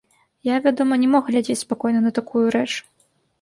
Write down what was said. Я, вядома, не мог глядзець спакойна на такую рэч.